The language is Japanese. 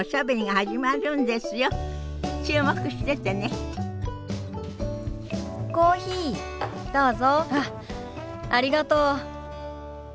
あっありがとう。